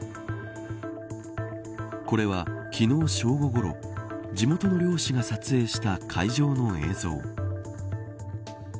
これは昨日、正午ごろ地元の漁師が撮影した海上の映像。